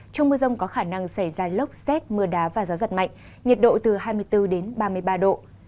trong mưa rông có khả năng xảy ra lốc xét mưa đá và gió giật mạnh nhiệt độ từ hai mươi bốn đến ba mươi ba độ